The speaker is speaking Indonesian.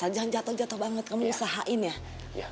jangan jatuh jatuh banget kamu usahain ya